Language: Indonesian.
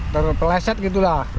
terleset gitu lah